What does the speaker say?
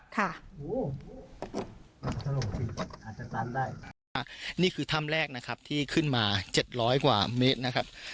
ค่ะอันนี้คือถ้ำแรกนะครับที่ขึ้นมาเจ็ดร้อยกว่าเมตรนะครับ